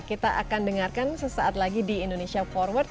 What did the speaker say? kita akan dengarkan sesaat lagi di indonesia forward